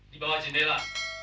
di bawah jendela